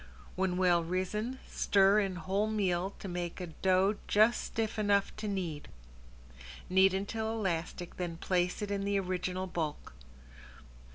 When well risen stir in whole meal to make a dough just stiff enough to knead. Knead until elastic then place it in the original bulk.